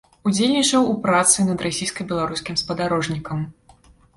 Удзельнічаў у працы над расійска-беларускім спадарожнікам.